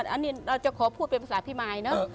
อันนี้เราจะขอพูดเป็นภาษาพี่มายเนอะ